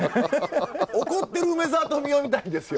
怒ってる梅沢富美男を見たいんですよ。